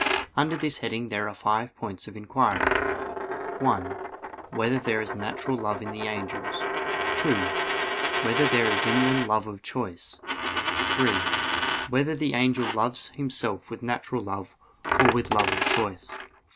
Under this heading there are five points of inquiry: (1) Whether there is natural love in the angels? (2) Whether there is in them love of choice? (3) Whether the angel loves himself with natural love or with love of choice?